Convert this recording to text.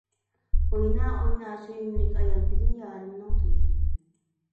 ئوينا، ئوينا سۆيۈملۈك ئايال، بۈگۈن يارىمنىڭ تويى.